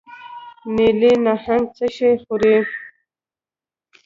نیلي نهنګ څه شی خوري؟